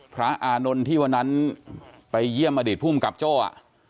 อานนท์ที่วันนั้นไปเยี่ยมอดีตภูมิกับโจ้อ่ะ